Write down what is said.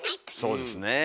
そうですね。